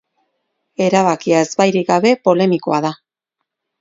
Erabakia ezbairik gabe polemikoa da.